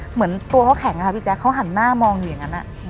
เหมือนตัวเขาแข็งอะพี่แจ๊ะเขาหันหน้ามองอย่างงั้นอะ